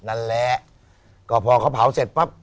นั่นแหละก็พอเขาเผาเสร็จปั๊บ